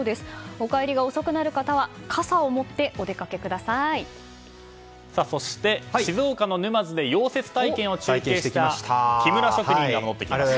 お帰りが遅くなる方は傘を持ってそして、静岡の沼津で溶接体験を中継した木村職人が戻ってきました。